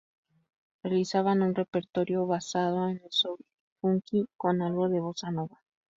Realizaban un repertorio basado en el soul y funky, con algo de bossa nova.